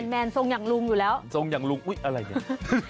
แมนทรงอย่างลุงอยู่แล้วทรงอย่างลุงอุ๊ยอะไรเนี่ย